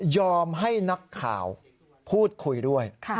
ให้นักข่าวพูดคุยด้วย